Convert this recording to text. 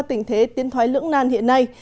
tình thế tiến thoái lưỡng nan hiện nay